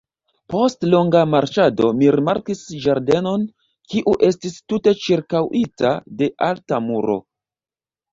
Post longa marŝado mi rimarkis ĝardenon, kiu estis tute ĉirkaŭita de alta muro.